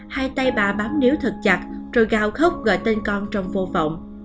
hai tay bà bám nếu thật chặt rồi gào khóc gọi tên con trong vô vọng